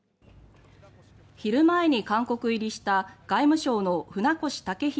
昼前に韓国入りした外務省の船越健裕